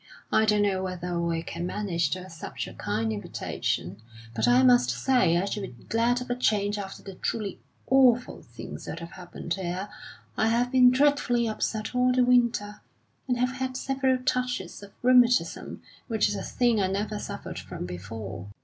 I don't know whether we can manage to accept your kind invitation, but I must say I should be glad of a change after the truly awful things that have happened here. I have been dreadfully upset all the winter, and have had several touches of rheumatism, which is a thing I never suffered from before.